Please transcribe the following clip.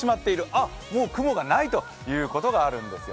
あっ、もう雲がないということがあるんですよ。